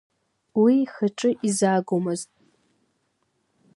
Уи ихаҿы изаагомызт…